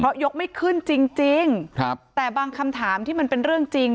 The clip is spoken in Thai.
เพราะยกไม่ขึ้นจริงจริงครับแต่บางคำถามที่มันเป็นเรื่องจริง